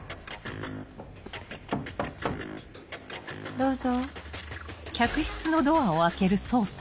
どうぞ。